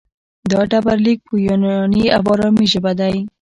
دا ډبرلیک په یوناني او ارامي ژبه دی